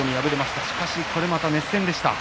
しかし、これまた熱戦でした。